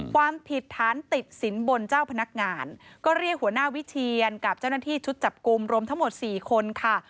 ความผิดฐานติดสินบนเจ้าพนักงานก็เรียกหัวหน้าวิเชียนกับเจ้าหน้าที่ชุดจับกลุ่มรวมทั้งหมด๔คนค่ะ